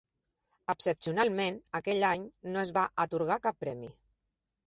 Excepcionalment, aquell any no es va atorgar cap premi.